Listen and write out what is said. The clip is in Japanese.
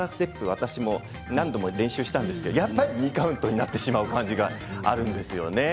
私も何度も練習したんですけどやっぱり２カウントになってしまう感じがあるんですよね。